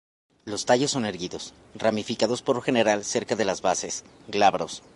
Los tallos son erguidos, ramificados por lo general cerca de las bases, glabros.